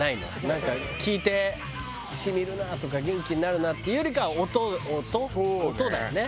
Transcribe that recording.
なんか聴いて染みるなあとか元気になるなあっていうよりかは音音？音だよね。